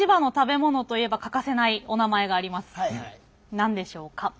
何でしょうか？